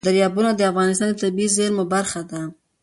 دریابونه د افغانستان د طبیعي زیرمو برخه ده.